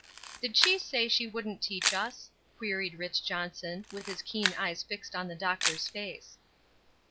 "Did she say she wouldn't teach us?" queried Rich. Johnson, with his keen eyes fixed on the doctor's face.